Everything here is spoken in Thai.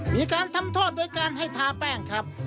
มีการทำโทษโดยการให้ทาแป้งครับ